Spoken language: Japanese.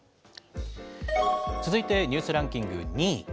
続いてニュースランキング２位。